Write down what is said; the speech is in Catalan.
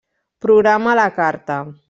Programa a la carta.